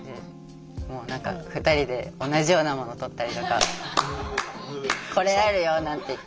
もう何か２人で同じようなもの取ったりとか「これあるよ」なんて言って。